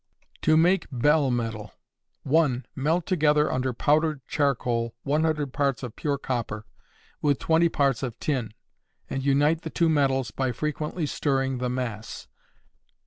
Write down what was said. To make Bell Metal. 1. Melt together under powdered charcoal, 100 parts of pure copper, with 20 parts of tin, and unite the two metals by frequently stirring the mass.